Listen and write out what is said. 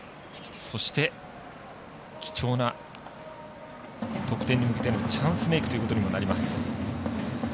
そして、貴重な得点に向けてのチャンスメークということになります。